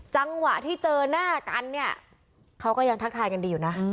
จังหวะที่เจอหน้ากันเนี่ยเขาก็ยังทักทายกันดีอยู่นะ